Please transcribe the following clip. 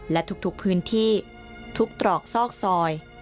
และทุกพื้นที่ทุกตรอกซอกซอย